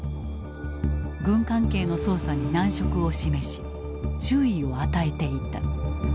軍関係の捜査に難色を示し注意を与えていた。